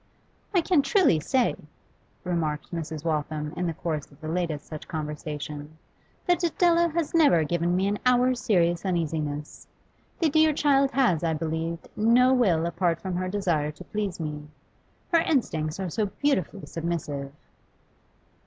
'I can truly say,' remarked Mrs. Waltham in the course of the latest such conversation, 'that Adela has never given me an hour's serious uneasiness. The dear child has, I believe, no will apart from her desire to please me. Her instincts are so beautifully submissive.